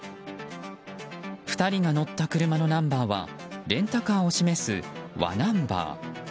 ２人が乗った車のナンバーはレンタカーを示す「わ」ナンバー。